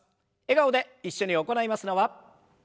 笑顔で一緒に行いますのは。